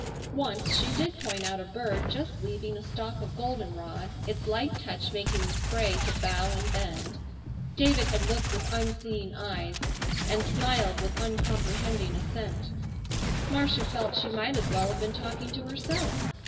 Once she did point out a bird just leaving a stalk of goldenrod, its light touch making the spray to bow and bend. David had looked with unseeing eyes, and smiled with uncomprehending assent. Marcia felt she might as well have been talking to herself.